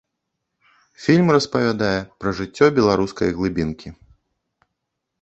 Фільм распавядае пра жыццё беларускай глыбінкі.